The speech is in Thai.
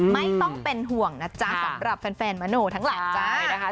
ไม่ต้องเป็นห่วงนะจ๊ะสำหรับแฟนมนุษย์ทั้งหลังจ๊ะ